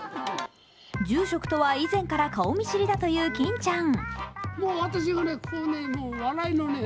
住職とは以前から顔見知りだという欽ちゃん。